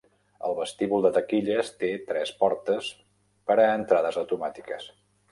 El vestíbul de taquilles té tres portes per a entrades automàtiques.